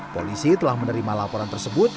polisi telah menerima laporan tersebut